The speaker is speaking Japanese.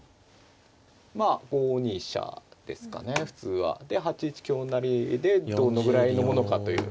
まあ５二飛車ですかね普通は。で８一香成でどのぐらいのものかという感じですかね。